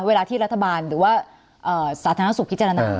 เวลาที่รัฐบาลหรือว่าสาธารณสุขพิจารณา